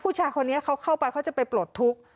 ผู้ชายคนนี้เขาเข้าไปเขาจะไปปลดทุกข์